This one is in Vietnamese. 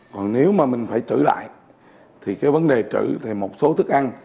còn nếu mà mình phải trữ lại thì cái vấn đề trữ thì một số thức ăn